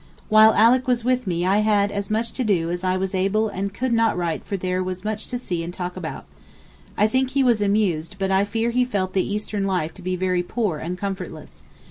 While Alick was with me I had as much to do as I was able and could not write for there was much to see and talk about. I think he was amused but I fear he felt the Eastern life to be very poor and comfortless.